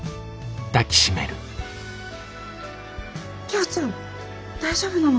キョーちゃん大丈夫なの？